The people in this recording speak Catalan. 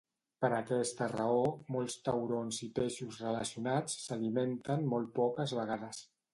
Per aquesta raó, molts taurons i peixos relacionats s'alimenten molt poques vegades.